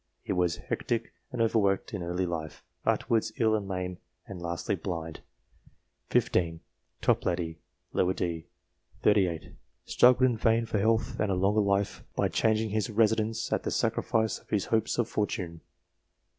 He was hectic and over worked in early life, afterwards ill and lame, and lastly blind. 15. Toplady, d. set. 38, struggled in vain for health and a longer life, by changing his residence at the sacrifice of his hopes of fortune.